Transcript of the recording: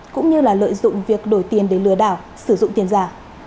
cũng như lợi dụng việc đổi tiền để lừa đảo sử dụng tiền giả